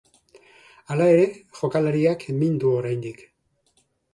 Hala ere, jokalariak min du oraindik.